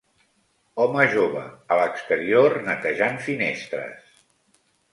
Home jove a l'exterior netejant finestres.